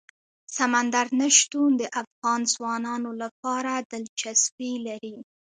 سمندر نه شتون د افغان ځوانانو لپاره دلچسپي لري.